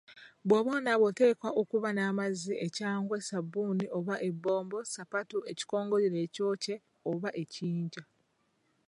Bw'oba onaaba oteekwa okuba n'amazzi, ekyangwe, ssabbuni oba ebbombo, sapatu, ekikongolira ekyokye oba ekiyinja